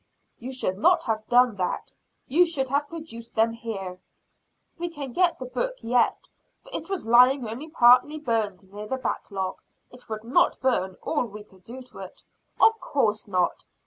"You should not have done that; you should have produced them here." "We can get the book yet; for it was lying only partly burned near the back log. It would not burn, all we could do to it." "Of course not.